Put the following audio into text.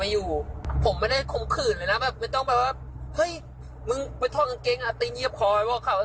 โยนจะเราเครื่องกลัวค่ะ